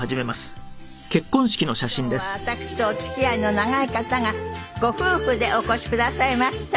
今日は私とお付き合いの長い方がご夫婦でお越しくださいました。